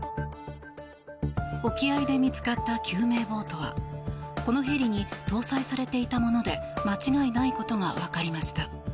沖合で見つかった救命ボートはこのヘリに搭載されていたもので間違いないことがわかりました。